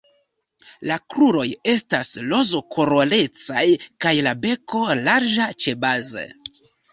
La kruroj estas rozkolorecaj kaj la beko larĝa ĉebaze.